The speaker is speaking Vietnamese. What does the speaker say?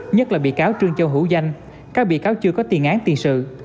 nhất là bị cáo trương châu hữu danh các bị cáo chưa có tiền án tiền sự